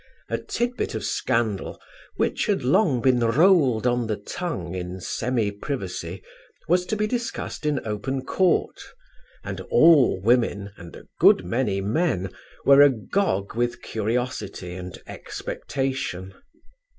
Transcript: A tidbit of scandal which had long been rolled on the tongue in semi privacy was to be discussed in open court, and all women and a good many men were agog with curiosity and expectation.